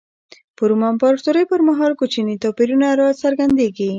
په روم امپراتورۍ پر مهال کوچني توپیرونه را څرګندېږي.